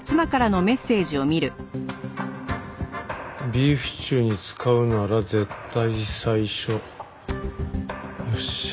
「ビーフシチューに使うなら絶対最初」よっしゃ